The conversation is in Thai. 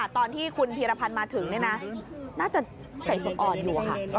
ตอนที่คุณพีรพันธ์มาถึงน่าจะใส่ฝุ่นอ่อนอยู่ค่ะ